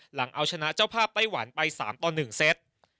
หลังเอาชนะเจ้าภาพไต้หวันไป๓ต่อ๑เซต